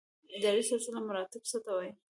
اداري سلسله مراتب څه ته وایي؟